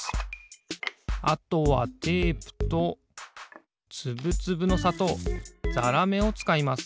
あとはテープとつぶつぶのさとうざらめをつかいます。